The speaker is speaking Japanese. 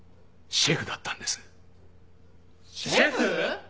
シェフ！？